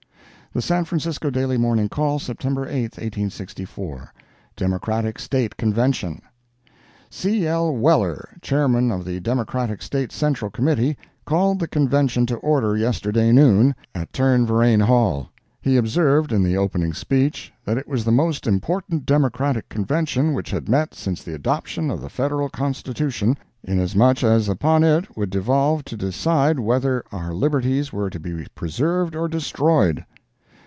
The San Francisco Daily Morning Call, September 8, 1864 DEMOCRATIC STATE CONVENTION C. L. Weller, Chairman of the Democratic State Central Committee, called the Convention to order yesterday noon, at Turn Verein Hall. He observed, in the opening speech, that it was the most important Democratic Convention which had met since the adoption of the Federal Constitution, inasmuch as upon it would devolve to decide whether our liberties were to be preserved or destroyed.